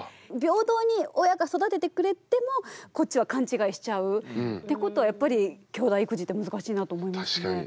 平等に親が育ててくれてもこっちは勘違いしちゃうってことはやっぱりきょうだい育児って難しいなと思いますね。